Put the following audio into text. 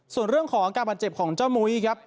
ส่วนเรื่องของอาการบาดเจ็บของเจ้ามุ้ยครับ